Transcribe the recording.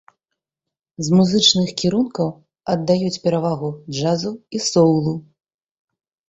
З музычных кірункаў аддаюць перавагу джазу і соўлу.